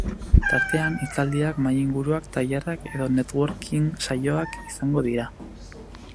Tartean, hitzaldiak, mahai-inguruak, tailerrak eta networking-saioak izango dira.